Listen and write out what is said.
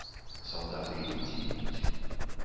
Салдаты ідуць і ідуць.